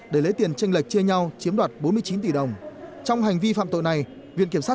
để lấy tiền tranh lệch chia nhau chiếm đoạt bốn mươi chín tỷ đồng trong hành vi phạm tội này viện kiểm sát